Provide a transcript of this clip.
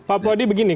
pak puadi begini